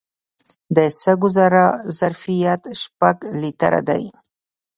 د سږو ظرفیت شپږ لیټره دی.